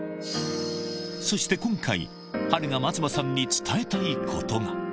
そして今回、波瑠が松葉さんに伝えたいことが。